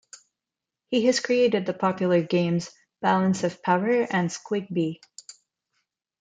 He has created the popular games Balance of Power and Squigby.